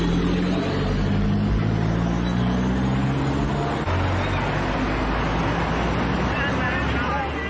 สวัสดีครับ